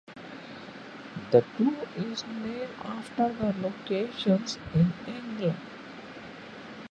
The town is named after locations in England.